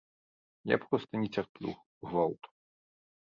Я проста не цярплю гвалту.